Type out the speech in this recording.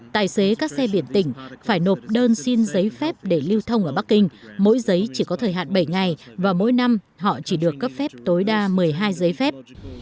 tài xế các xe biển tỉnh phải nộp đơn xin giấy phép để lưu thông ở bắc kinh mỗi giấy chỉ có thời hạn bảy ngày và mỗi năm họ chỉ được cấp phép tối đa một mươi hai giấy phép